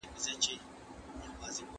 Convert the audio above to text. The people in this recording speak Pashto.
زه به کتابتون ته تللي وي